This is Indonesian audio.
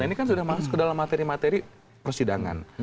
ini kan sudah masuk ke dalam materi materi persidangan